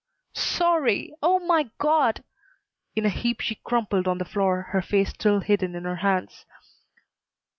"Sorry oh, my God!" In a heap she crumpled on the floor, her face still hidden in her hands.